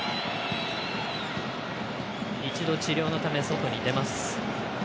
一度、治療のため外に出ます。